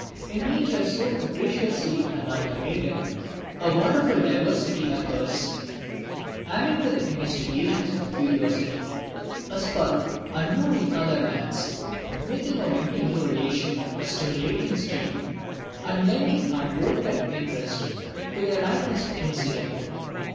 In natures so capriciously amalgamated, a wonderful diversity occurs, adding to the investigations of curiosity, a spur unknown in other lands; making of every new relation a stimulating study, and lending unwonted interest to the lightest incident.